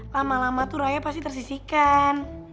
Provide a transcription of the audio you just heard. lama lama tuh raya pasti tersisikan